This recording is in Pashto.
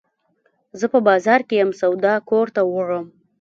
زه په بازار کي یم، سودا کور ته وړم.